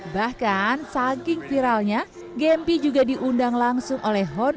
bahkan saking viralnya gempi juga diundang langsung oleh honor